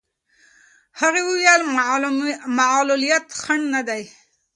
هغې وویل معلولیت خنډ نه دی.